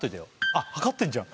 あっ計ってんじゃん